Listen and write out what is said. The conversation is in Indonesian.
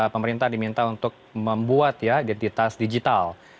pemerintah diminta untuk membuat ya identitas digital